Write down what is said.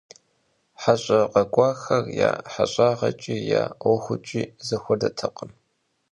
Heş'e khak'uexer ya heş'ağeç'i ya 'uexuç'i zexuedetekhım.